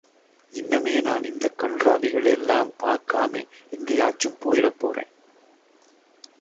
இன்னமே நான் இந்தக் கண்றாவிகளெ எல்லாம் பார்க்காமே எங்கேயாச்சும் போயிடப் போறேன்.